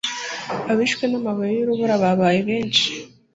abishwe n'amabuye y'urubura babaye benshi